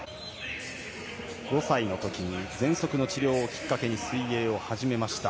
５歳のときに、ぜんそくの治療をきっかけに水泳を始めました。